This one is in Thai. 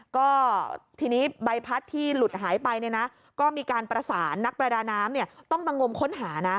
ก็ทีนี้ใบพัดที่หลุดหายไปมีการประสานนักประดาน้ำต้องบังงมค้นหา